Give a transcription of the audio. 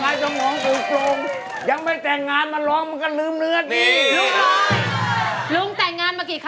ผมจะอวยพอให้ถ้าจะมาคราวหน้าอีกนะ